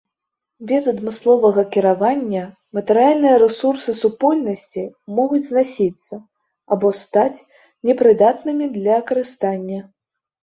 Без адмысловага кіравання матэрыяльныя рэсурсы супольнасці могуць знасіцца або стаць непрыдатнымі для карыстання.